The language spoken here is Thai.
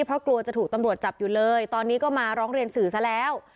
เพราะกลัวจะถูกตำรวจจับอยู่เลยตอนนี้ก็มาร้องเรียนสื่อซะแล้ว